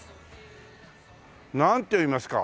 なんて読みますか？